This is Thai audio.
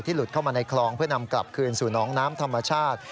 หลุดเข้ามาในคลองเพื่อนำกลับคืนสู่น้องน้ำธรรมชาติ